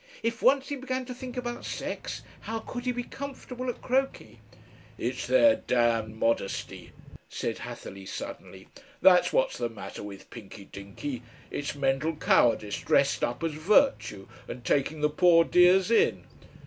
"If once he began to think about sex, how could he be comfortable at croquet?" "It's their Damned Modesty," said Hatherleigh suddenly, "that's what's the matter with the Pinky Dinky. It's Mental Cowardice dressed up as a virtue and taking the poor dears in.